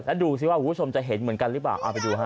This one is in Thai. แล้วดูสิว่าคุณผู้ชมจะเห็นเหมือนกันหรือเปล่าเอาไปดูฮะ